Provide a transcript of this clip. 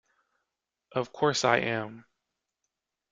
Of course I am!